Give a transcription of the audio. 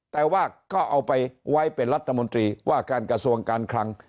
แต่ว่าก็เอาไปไว้เป็นรัฐมนตรีว่าการกระทรวงการคลัง